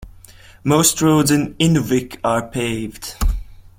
Most roads in Inuvik are paved.